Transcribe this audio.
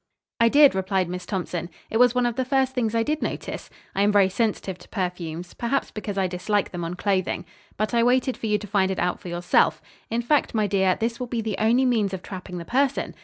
"I did," replied Miss Thompson. "It was one of the first things I did notice. I am very sensitive to perfumes; perhaps because I dislike them on clothing. But I waited for you to find it out for yourself. In fact, my dear, this will be the only means of trapping the person.